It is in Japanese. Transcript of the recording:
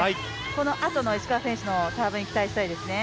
このあとの石川選手のサーブに期待したいですね。